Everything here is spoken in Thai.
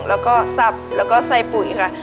แล้วก็สับแล้วก็ใส่ปุ๋ยค่ะ